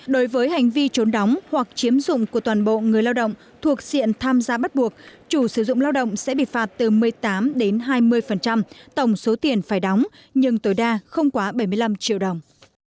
đối với hành vi trốn đóng hoặc chiếm dụng của toàn bộ người lao động thuộc diện tham gia bắt buộc chủ sử dụng lao động sẽ bị phạt từ một mươi tám đến hai mươi tổng số tiền phải đóng nhưng tối đa không quá bảy mươi năm triệu đồng